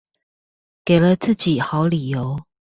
給了自己好理由